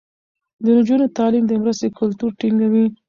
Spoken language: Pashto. د نجونو تعليم د مرستې کلتور ټينګوي.